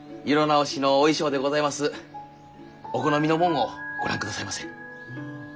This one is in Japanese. お好みのもんをご覧くださいませ。